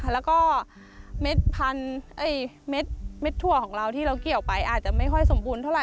แล้วก็เม็ดทั่วของเราที่เราเกี่ยวไปอาจจะไม่ค่อยสมบูรณ์เท่าไหร่